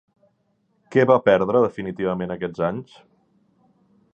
Què va perdre definitivament aquests anys?